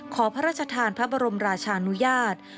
ขอพระราชทานพระบรมราชานุญาต